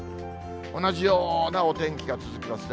同じようなお天気が続きますね。